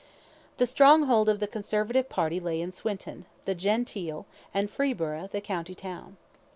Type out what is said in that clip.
The stronghold of the Conservative party lay in Swinton, the genteel, and Freeburgh, the county town.